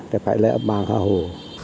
thì phải lợi âm bào họ hồ